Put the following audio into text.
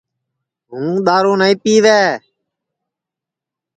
ہُوں دؔارو نائی پِیوے